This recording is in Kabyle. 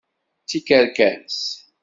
D tikerkas!